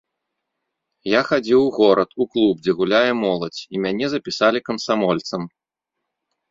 Я хадзіў у горад, у клуб, дзе гуляе моладзь, і мяне запісалі камсамольцам.